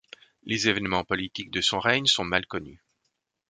Les événements politiques de son règne sont mal connus.